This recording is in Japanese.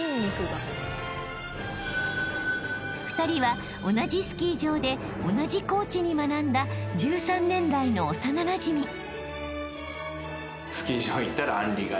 ［２人は同じスキー場で同じコーチに学んだ１３年来の幼なじみ］